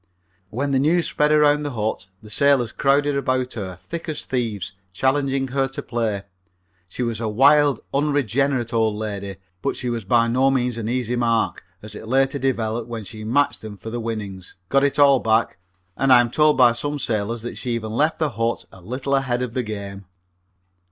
When the news spread around the hut the sailors crowded about her thick as thieves, challenging her to play. She was a wild, unregenerated old lady, but she was by no means an easy mark, as it later developed when she matched them for the winnings, got it all back, and I am told by some sailors that she even left the hut a little ahead of the game.